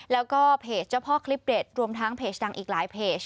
แล้วก็เพจเจ้าพ่อคลิปเด็ดรวมทั้งเพจดังอีกหลายเพจ